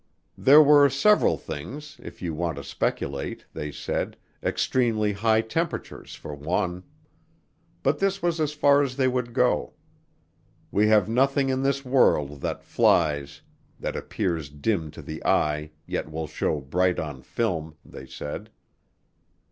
There were several things, if you want to speculate, they said, extremely high temperatures for one. But this was as far as they would go. We have nothing in this world that flies that appears dim to the eye yet will show bright on film, they said.